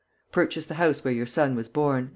Purchase the house where your son was born."